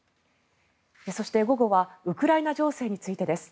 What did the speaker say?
そして、午後はウクライナ情勢についてです。